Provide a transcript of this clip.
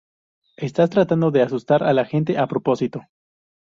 Estás tratando de asustar a la gente a propósito.